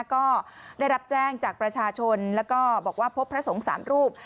ก็ได้รับแจ้งจากประชาชนแล้วก็บอกว่าพบพระสงฆ์๓รูป